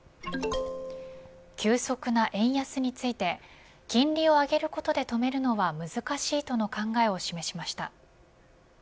急速な円安について金利を上げることで止めるのは難しいとの考えを示しました。